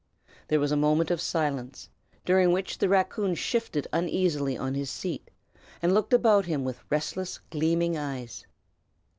There was a moment of silence, during which the raccoon shifted uneasily on his seat, and looked about him with restless, gleaming eyes.